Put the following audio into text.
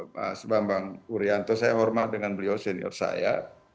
mas bambang urianto saya hormat dengan beliau senior saya